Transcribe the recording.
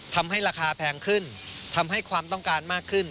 ทำให้ราคาแพงขึ้นทำให้ความต้องการมากขึ้น